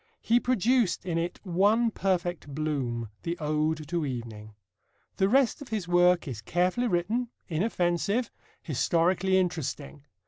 He produced in it one perfect bloom the Ode to Evening. The rest of his work is carefully written, inoffensive, historically interesting.